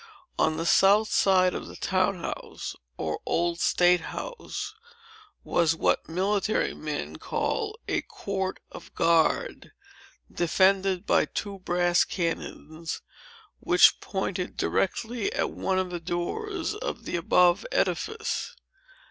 On the south side of the town house, or Old State House, was what military men call a court of guard, defended by two brass cannons, which pointed directly at one of the doors of the above edifice.